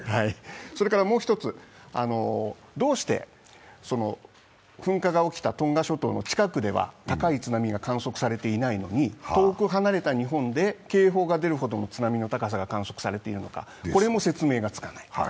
それからもう一つ、どうして噴火が起きたトンガ諸島の近くでは高い津波が観測されていないのに、遠く離れた日本で警報が出るほどの津波の高さが観測されているのかこれも説明がつかない。